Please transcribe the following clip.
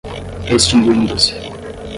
extinguindo-se